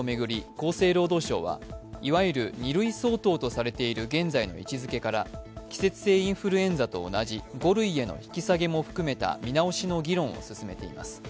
厚生労働省はいわゆる２類相当とされている現在の位置づけから季節性インフルエンザと同じ５類への引き下げも含めた見直しの議論を進めています。